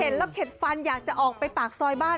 เห็นแล้วเข็ดฟันอยากจะออกไปปากซอยบ้าน